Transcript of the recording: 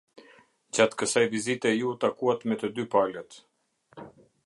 Gjatë kësaj vizite Ju u takuat me të dy palët.